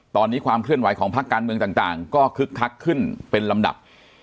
ตอนนี้ความเคลื่อนไหวของพักการเมืองต่างก็คึกคักขึ้นเป็นลำดับ